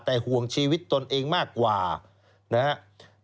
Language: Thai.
แต่ห่วงชีวิตตนเองมากกว่านะครับ